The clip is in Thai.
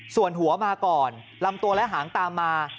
ส่วนหัวมาก่อนลำตัวและหางตามมา